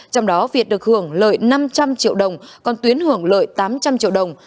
trong đó việt được hưởng lợi năm trăm linh triệu đồng còn tuyến hưởng lợi tám trăm linh triệu đồng